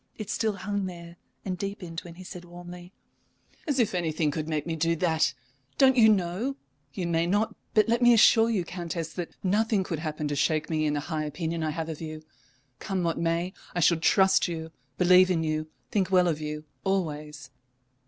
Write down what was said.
It still hung there, and deepened when he said, warmly: "As if anything could make me do that! Don't you know you may not, but let me assure you, Countess that nothing could happen to shake me in the high opinion I have of you. Come what may, I shall trust you, believe in you, think well of you always."